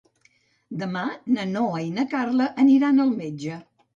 Demà na Noa i na Carla aniran al metge.